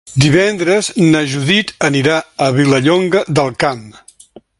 Divendres na Judit anirà a Vilallonga del Camp.